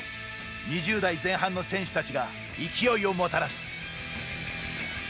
２０代前半の選手たちが勢いをもたらす。